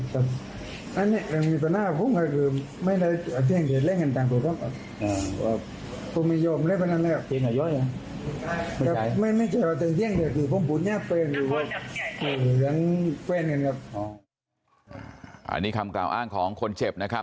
เหรอพรุนจะเป็นก็แล้วเป็นกันครับอันนี้คำกล่าวอ้างของคนเจ็บนะครับ